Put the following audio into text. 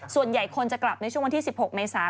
ส่วนใหญ่คนจะกลับในช่วงวันที่๑๖เมษา